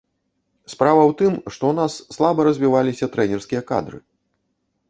Справа ў тым, што ў нас слаба развіваліся трэнерскія кадры.